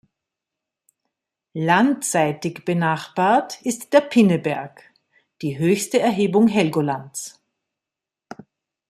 Landseitig benachbart ist der Pinneberg, die höchste Erhebung Helgolands.